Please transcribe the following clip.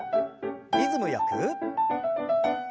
リズムよく。